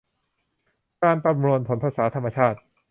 การประมวลผลภาษาธรรมชาติ